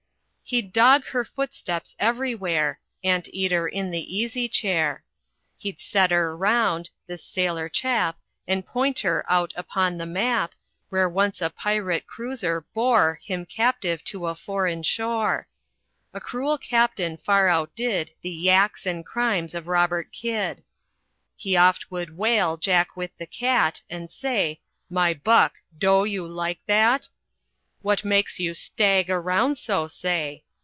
He'd dog her footsteps everywhere, Anteater in the easy chair; He'd setter round, this sailor chap, And pointer out upon the map Where once a pirate cruiser boar Him captive to a foreign shore. The cruel captain far outdid The yaks and crimes of Robert Kid. He oft would whale Jack with the cat, And say, "My buck, doe you like that? "What makes you stag around so, say?